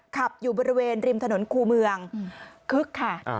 ขับอยู่บริเวณริมถนนคู่เมืองคึกค่ะ